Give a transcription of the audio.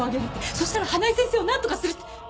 そしたら花井先生をなんとかするって！